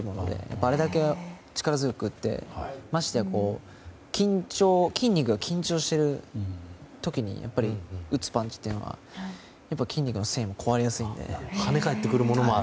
あれだけ力強く打ってましてや筋肉が緊張している時に打つパンチっていうのは筋肉の繊維も壊れやすいので。